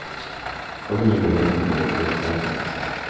Fue muy amigo de Federico Beltran Masses.